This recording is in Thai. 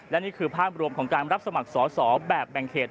และนี่คือภาพรวมของการรับสมัครสอสอแบบแบ่งเขต